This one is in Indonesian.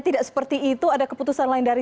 tidak seperti itu ada keputusan lain dari